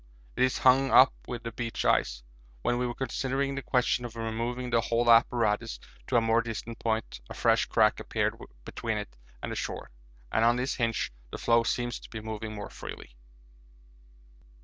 It is hung up by the beach ice. When we were considering the question of removing the whole apparatus to a more distant point, a fresh crack appeared between it and the shore, and on this 'hinge' the floe seems to be moving more freely.